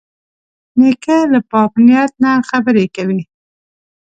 نیکه له پاک نیت نه خبرې کوي.